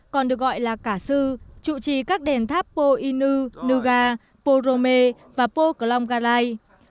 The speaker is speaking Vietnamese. còn được gọi là cả sư trụ trì các đền tháp po inu nuga po rome và po klonggalai